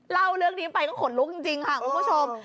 เล่าเรื่องนี้ไปก็ขนลุกจริงค่ะคุณผู้ชม